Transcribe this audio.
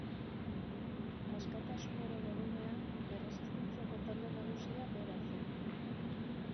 Askatasunaren egunean, erresistentziako talde nagusia bera zen.